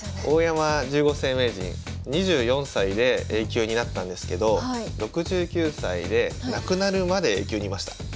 大山十五世名人２４歳でＡ級になったんですけど６９歳で亡くなるまでＡ級にいました。